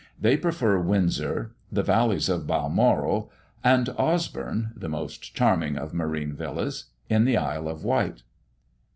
They prefer Windsor, the valleys of Balmoral, and Osborne (the most charming of marine villas) in the Isle of Wight.